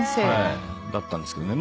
だったんですけどね。